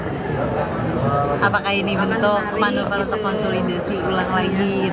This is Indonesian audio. apakah ini bentuk manufaktur konsulidasi ulang lagi